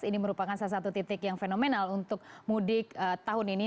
ini merupakan salah satu titik yang fenomenal untuk mudik tahun ini